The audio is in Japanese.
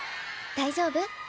大丈夫？